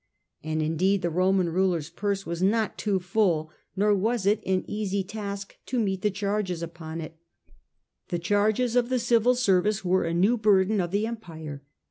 And indeed the Roman ruler's purse was not too full, nor was it an easy task to meet the calls upon it. The charges of the civil service were a new burden of the empire.